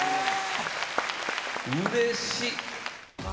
うれしい。